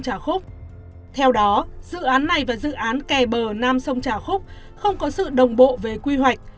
theo đó dự án này và dự án kè bờ nam sông trà khúc không có sự đồng bộ về quy hoạch